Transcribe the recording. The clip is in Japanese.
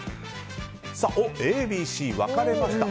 ＡＢＣ、分かれました。